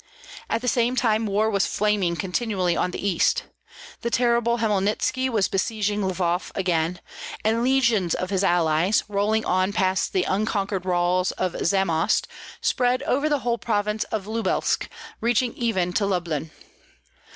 At the same time war was flaming continually on the east. The terrible Hmelnitski was besieging Lvoff again; and legions of his allies, rolling on past the unconquered walls of Zamost, spread over the whole province of Lubelsk, reaching even to Lublin.